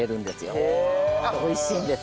美味しいんです。